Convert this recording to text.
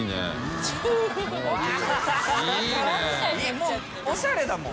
もうおしゃれだもん。